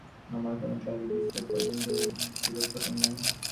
মায়ের-কোল-ছাড়া তোদের যে আমার কোলে টানিব, ঈশ্বর এপর্যন্ত এমন সুযোগ ঘটান নাই।